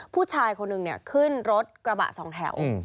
ผู้ชายคนหนึ่งขึ้นรถกระบะสองแถว